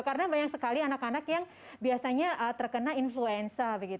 karena banyak sekali anak anak yang biasanya terkena influenza